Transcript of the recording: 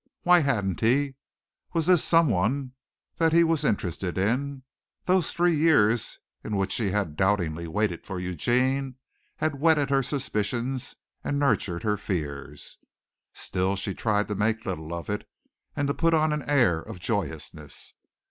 Why hadn't he? Was this someone that he was interested in? Those three years in which she had doubtingly waited for Eugene had whetted her suspicions and nurtured her fears. Still she tried to make little of it and to put on an air of joyousness.